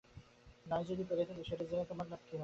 নাই যদি পেরে থাকি, সেটা জেনে তোমার লাভ হবে কী?